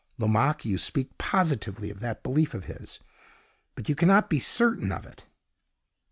"Lomaque, you speak positively of that belief of his but you cannot be certain of it."